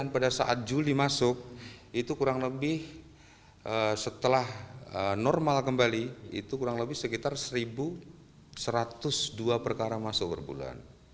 pada saat juli masuk itu kurang lebih setelah normal kembali itu kurang lebih sekitar satu satu ratus dua perkara masuk per bulan